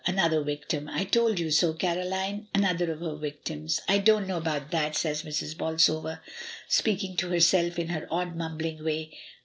"Another victim! I told you so, Caroline; another of her victims." "I don't know about that," says Mrs. Bolsover, speaking to herself, in her odd mumbling way.